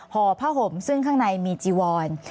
ห่อผ้าห่มซึ่งข้างในมีจีวอน